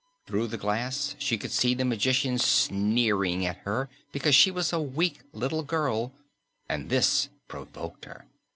Through the glass she could see the magician sneering at her because she was a weak little girl, and this provoked her.